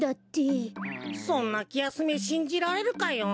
そんなきやすめしんじられるかよ。